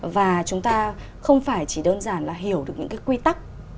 và chúng ta không phải chỉ đơn giản là hiểu được những cái quy tắc